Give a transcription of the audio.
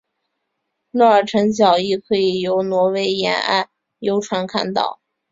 诺尔辰角亦可以由挪威沿岸游船看到。